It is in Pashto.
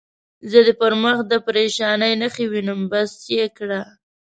زه دې پر مخ د پرېشانۍ نښې وینم، بس یې کړه.